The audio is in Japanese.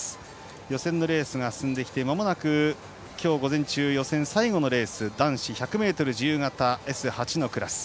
予選のレースが進んできてまもなく今日午前中予選最後のレース男子１００ｍ自由形Ｓ８のクラス。